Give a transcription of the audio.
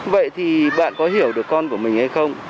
vậy thì bạn có hiểu được con của mình hay không